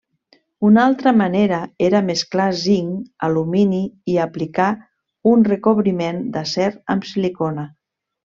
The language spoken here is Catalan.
Una altra manera era mesclar zinc, alumini i aplicar un recobriment d'acer amb silicona.